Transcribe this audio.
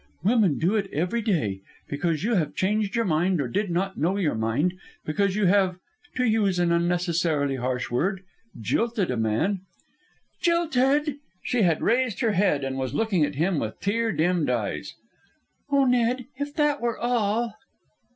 "Women do it every day. Because you have changed your mind or did not know your mind, because you have to use an unnecessarily harsh word jilted a man " "Jilted!" She had raised her head and was looking at him with tear dimmed eyes. "Oh, Ned, if that were all!"